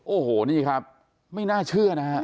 โอ้โหนี่ครับไม่น่าเชื่อนะฮะ